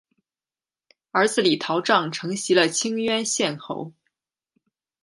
儿子李桃杖承袭了清渊县侯。